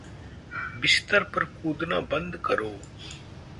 बिस्तर पर कूदना बंद करो।